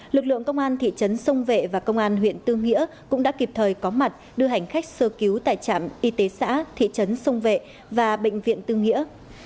lực lượng công an thị trấn sông vệ và công an huyện tư nghĩa cũng đã kịp thời có mặt đưa hành khách sơ cứu tại trạm y tế xã thị trấn sông vệ và bệnh viện tư nghĩa